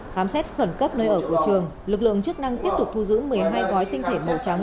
khám xét khẩn cấp nơi ở của trường lực lượng chức năng tiếp tục thu giữ một mươi hai gói tinh thể màu trắng